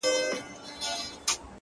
پرېږده چي نور په سره ناسور بدل سي-